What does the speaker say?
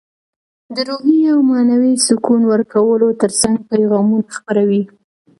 د روحي او معنوي سکون ورکولو ترڅنګ پیغامونه خپروي.